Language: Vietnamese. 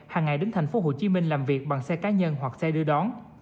hàng ngày đến tp hcm làm việc bằng xe cá nhân hoặc xe đưa đón